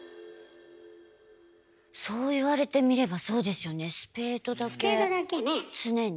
そう言われてみればそうですよねスペードだけ常に。